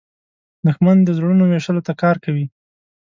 دښمن د زړونو ویشلو ته کار کوي